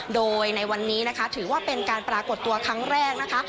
โดยในวันนี้นะคะถือว่าเป็นการปรากฏตัวครั้งแรกนะคะ